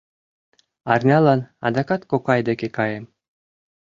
Арнялан адакат кокай деке каем.